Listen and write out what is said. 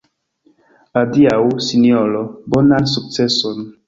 Adiaŭ, sinjoro, bonan sukceson.